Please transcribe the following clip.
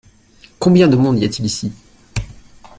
Combien de monde y a-t-il ici ?